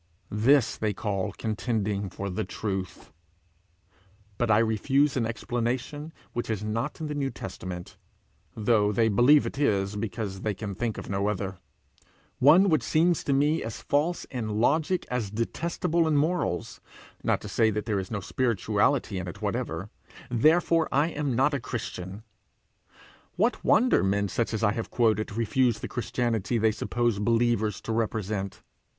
This they call contending for the truth! Because I refuse an explanation which is not in the New Testament, though they believe it is, because they can think of no other, one which seems to me as false in logic as detestable in morals, not to say that there is no spirituality in it whatever, therefore I am not a Christian! What wonder men such as I have quoted refuse the Christianity they suppose such 'believers' to represent!